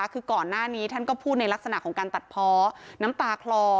คือก่อนหน้านี้ท่านก็พูดในลักษณะของการตัดเพาะน้ำตาคลอ